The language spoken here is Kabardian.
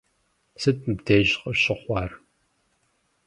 Сыт мыбдеж къыщыхъуар?